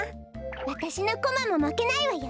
わたしのコマもまけないわよ。